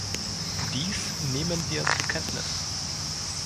Dies nehmen wir zur Kenntnis.